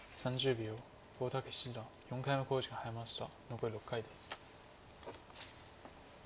残り６回です。